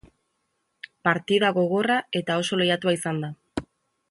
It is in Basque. Partida gogorra eta oso lehiatua izan da.